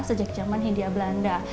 sejak zaman hindia belanda